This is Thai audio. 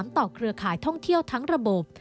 ต่อเครือข่ายท่องเที่ยวทั้งระบบ